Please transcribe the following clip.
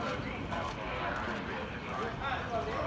อันที่สุดท้ายก็คือภาษาอันที่สุดท้าย